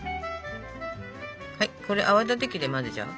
これ泡立て器で混ぜちゃう。